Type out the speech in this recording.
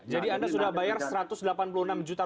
jadi anda sudah bayar rp satu ratus delapan puluh enam juta ya